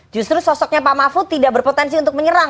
justru sosoknya pak mahfud tidak berpotensi untuk menyerang